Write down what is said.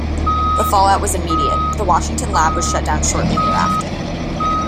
The fallout was immediate; the Washington lab was shut down shortly thereafter.